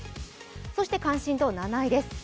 そして関心度７位です。